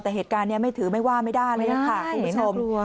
แต่เหตุการณ์นี้ไม่ถือไม่ว่าไม่ได้เลยค่ะคุณผู้ชม